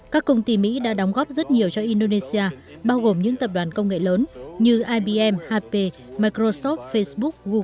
các công ty mỹ đã đóng góp rất nhiều cho indonesia bao gồm những tập đoàn công nghệ lớn như ibm hp microsoft facebook google